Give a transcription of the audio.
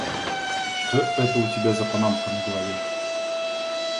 Что это у тебя за панамка на голове?